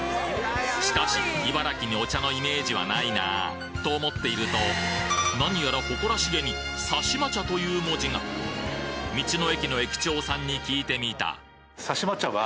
しかし茨城にお茶のイメージはないなと思っていると何やら誇らしげに猿島茶という文字が道の駅の駅長さんに聞いてみたあそうなんですか。